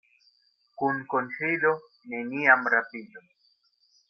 Kun konfido neniam rapidu.